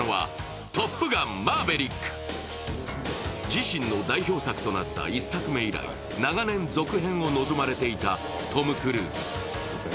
自身の代表作となった１作目以来長年続編を望まれていたトム・クルーズ。